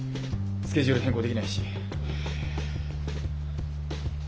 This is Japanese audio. スケジュール変更できないし。